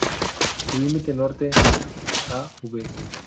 Su límite norte, Av.